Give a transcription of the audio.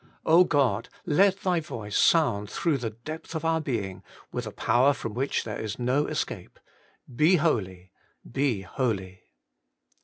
God ! let Thy voice sound through the depth of our being, with a power from which there is no escape : Be holy, be holy.